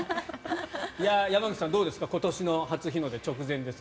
山口さん、どうですか今年の初日の出直前ですが。